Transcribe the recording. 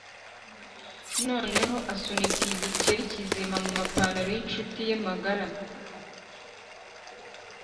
noneho asunika igikeri kizima mumapantaro yinshuti ye magara